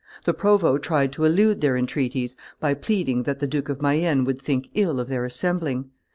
The provost tried to elude their entreaties by pleading that the Duke of Mayenne would think ill of their assembling.